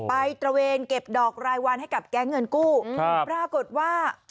ตระเวนเก็บดอกรายวันให้กับแก๊งเงินกู้ครับปรากฏว่า